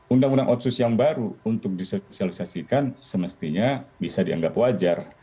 undang undang otsus yang baru untuk disosialisasikan semestinya bisa dianggap wajar